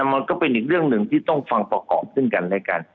มันก็เป็นอีกเรื่องหนึ่งที่ต้องฟังประกอบซึ่งกันและกัน